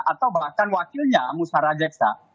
atau bahkan wakilnya musara jeksa